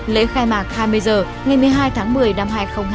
lễ khai mạc hai mươi h ngày một mươi hai tháng một mươi năm hai nghìn hai mươi